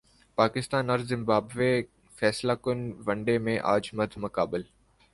پاکستان اور زمبابوے فیصلہ کن ون ڈے میں اج مدمقابل